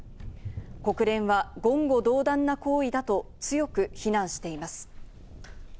国連は言語道断な行為だと強く非難しています。